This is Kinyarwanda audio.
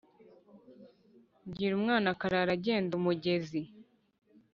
Ngira umwana akarara agenda.-Umugezi